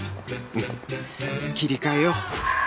うん切り替えよう